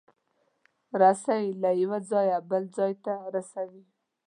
رسۍ له یو ځایه بل ځای ته رسوي.